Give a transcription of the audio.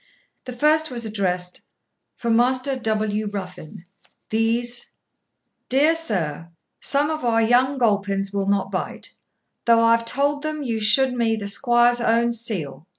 The first was addressed, 'For Master W. Ruffin, These.' 'Dear sur, sum of our yong gulpins will not bite, thof I tuold them you shoed me the squoire's own seel.